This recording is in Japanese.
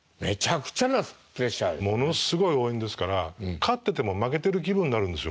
ものすごい応援ですから勝ってても負けてる気分になるんですよ